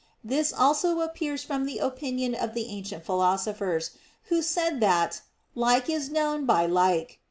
This also appears from the opinion of the ancient philosophers, who said that "like is known by like."